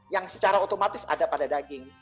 yang secara otomatis ada pada daging